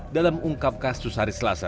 dalam ungkap kasus hari selasa